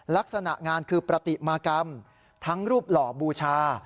ลักษณะงานคือปฏิมากรรมทั้งรูปหล่อบูชา